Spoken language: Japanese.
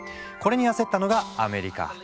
これに焦ったのがアメリカ。